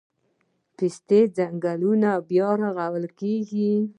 د پستې ځنګلونه بیا رغول کیږي